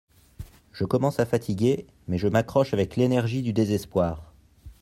Je commence à fatiguer mais je m’accroche avec l’énergie du désespoir.